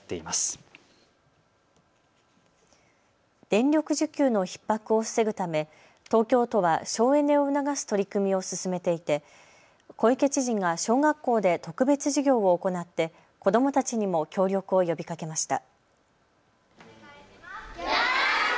電力需給のひっ迫を防ぐため東京都は省エネを促す取り組みを進めていて、小池知事が小学校で特別授業を行って子どもたちにも協力を呼びかけました。